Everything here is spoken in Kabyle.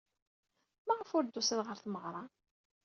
Maɣef ur d-tusid ɣer tmeɣra?